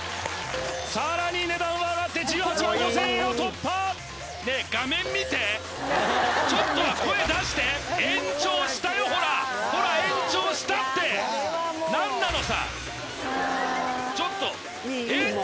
さらに値段は上がって１８５０００円を突破ねえ画面見てちょっとは声出して延長したよほらほら延長したって何なのさちょっとえっ？